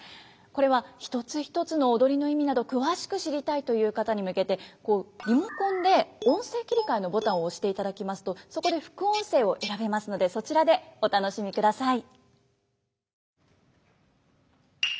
これは一つ一つの踊りの意味など詳しく知りたいという方に向けてリモコンで「音声切換」のボタンを押していただきますとそこで「副音声」を選べますのでそちらでお楽しみください。